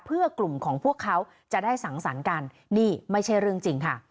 เพื่อกลุ่มของพวกเขาจะได้สังสรรค์กันนี่ไม่ใช่เรื่องจริงค่ะ